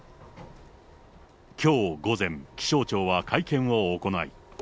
きょう午前、気象庁は会見を行い。